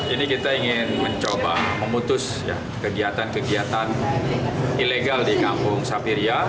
ini kita ingin mencoba memutus kegiatan kegiatan ilegal di kampung sapiria